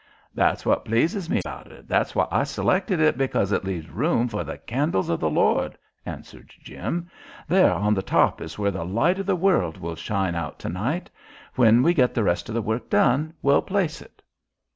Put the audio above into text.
"That's what pleases me about it. That's why I selected it, because it leaves room for the Candles of the Lord," answered Jim. "There on the top is where the Light o' the World will shine out tonight. When we get the rest of the work done we'll place it."